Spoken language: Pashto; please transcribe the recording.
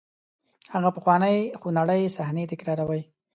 هغه پخوانۍ خونړۍ صحنې تکراروئ.